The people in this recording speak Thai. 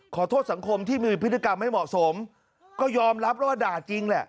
ขอโทษสังคมที่มีพฤติกรรมไม่เหมาะสมก็ยอมรับแล้วว่าด่าจริงแหละ